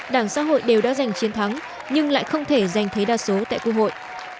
đảng xã hội đều đã giành chiến thắng nhưng lại không thể giành thấy đa số tại quốc hội